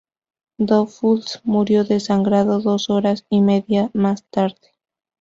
Dollfuss murió desangrado dos horas y media más tarde.